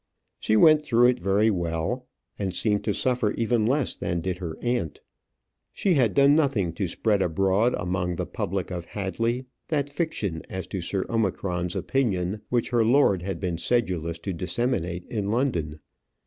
She went through it very well; and seemed to suffer even less than did her aunt. She had done nothing to spread abroad among the public of Hadley that fiction as to Sir Omicron's opinion which her lord had been sedulous to disseminate in London.